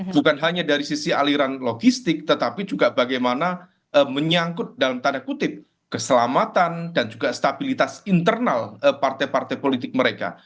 bukan hanya dari sisi aliran logistik tetapi juga bagaimana menyangkut dalam tanda kutip keselamatan dan juga stabilitas internal partai partai politik mereka